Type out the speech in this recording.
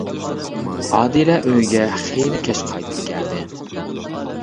ئادىلە ئۆيگە خېلى كەچ قايتىپ كەلدى.